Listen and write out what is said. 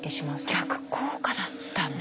逆効果だったんだ。